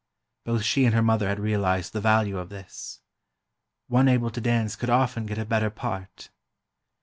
Both she and her mother had realized the value of this: one able to dance could often get a better part.